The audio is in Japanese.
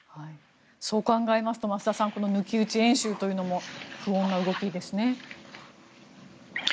そう考えますと増田さん抜き打ち演習というのも不穏な動きですね。